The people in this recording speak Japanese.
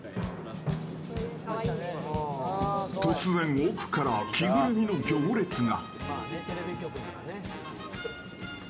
突然、奥から着ぐるみの行列が。